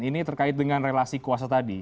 ini terkait dengan relasi kuasa tadi